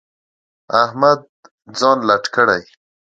احمد ځان لټ کړی.